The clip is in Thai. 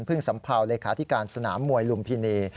สัมเภาเลขาธิการสนามมวยลุมพินี